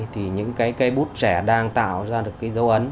thì những cái cây bút trẻ đang tạo ra được cái dấu ấn